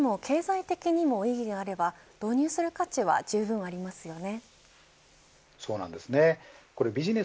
社会的にも経済的にも意味があれば導入する価値はじゅうぶんありますよね。